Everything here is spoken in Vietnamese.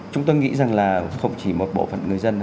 chúng tôi nghĩ rằng là không chỉ một bộ phận người dân